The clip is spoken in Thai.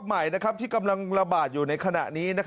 ใหม่ที่กำลังระบาดอยู่ในขณะนี้